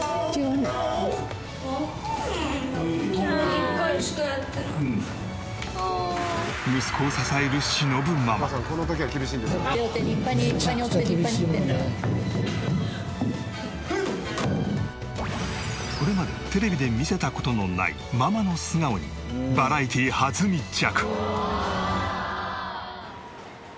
１０歳で立つこれまでテレビで見せた事のないママの素顔にバラエティー初密着。